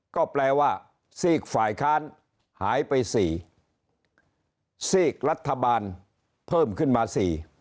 ก็แปลว่าซีกฝ่ายค้านหายไปสี่ซีกรัฐบาลเพิ่มขึ้นมาสี่